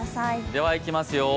では、いきますよ。